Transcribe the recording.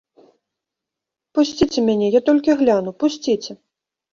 Пусціце мяне, я толькі гляну, пусціце.